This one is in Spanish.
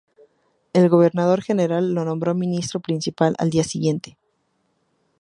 El Gobernador General lo nombró Ministro Principal al día siguiente.